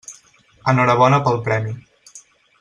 Enhorabona pel premi.